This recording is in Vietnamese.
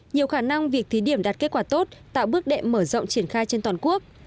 nhiều khả năng việc thí điểm đạt kết quả tốt tạo bước đệm mở rộng triển khai trên toàn quốc